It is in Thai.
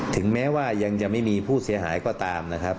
ถึงแม้ว่ายังจะไม่มีผู้เสียหายก็ตามนะครับ